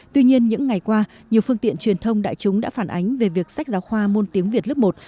tuy nhiên những ngày qua nhiều phương tiện truyền thông đại chúng đã phản ánh về việc sách giáo khoa môn tiếng việt lớp một